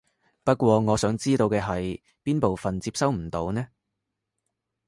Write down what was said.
不過我想知道嘅係邊部分接收唔到呢？